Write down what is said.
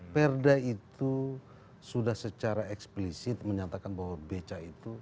perda itu sudah secara eksplisit menyatakan bahwa beca itu